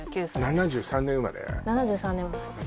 ７３年生まれです